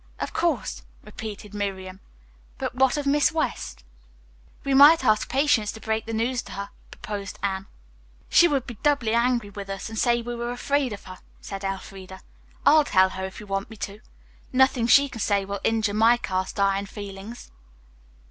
"Of course," repeated Miriam. "But what of Miss West?" "We might ask Patience to break the news to her," proposed Anne. "She would be doubly angry with us and say we were afraid of her," said Elfreda. "I'll tell her if you want me to. Nothing she can say will injure my castiron feelings."